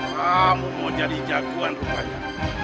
kamu mau jadi jagoan rumahnya